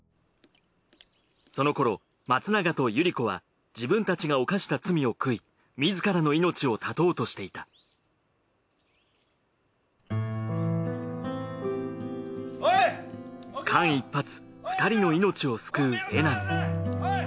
そのころ松永とゆり子は自分たちが犯した罪を悔い自らの命を絶とうとしていた間一髪２人の命を救う江波。